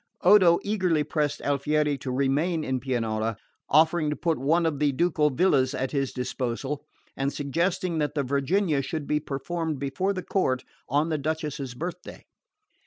Odo eagerly pressed Alfieri to remain in Pianura, offering to put one of the ducal villas at his disposal, and suggesting that the Virginia should be performed before the court on the Duchess's birthday.